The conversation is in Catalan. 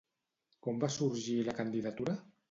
Com va sorgir la candidatura?